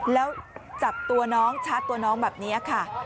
แล้วจับตัวน้องชาร์จตัวน้องแบบนี้ค่ะ